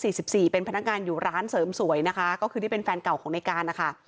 เป็นพนักงานอยู่ร้านเสริมสวยนะคะก็คือที่เป็นแฟนเก่าของในการนะคะ